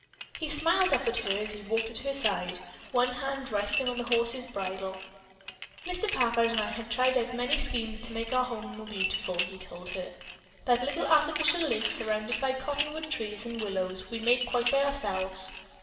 He smiled up at her as he walked at her side, one hand resting on the horse's bridle. "Mr. Packard and I have tried out many schemes to make our home more beautiful," he told her. "That little artificial lake surrounded by cottonwood trees and willows we made quite by ourselves.